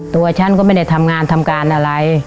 ตัวฉันก็ไม่ได้ทำงานทำการอะไร